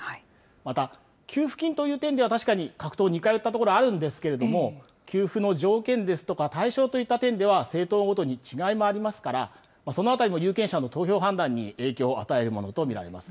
また、給付金という点では、確かに各党似通ったところあるんですけれども、給付の条件ですとか、対象といった点では政党ごとに違いもありますから、そのあたりも、有権者の投票判断に影響を与えるものと見られます。